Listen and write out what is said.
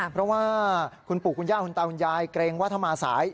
เพราะว่าคุณปู่คุณย่าคุณตาคุณยายเกรงว่าถ้ามาสาย